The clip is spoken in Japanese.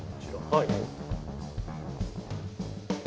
はい。